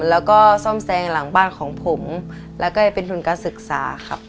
แล้วก็ซ่อมแซงหลังบ้านของผมแล้วก็จะเป็นทุนการศึกษาครับ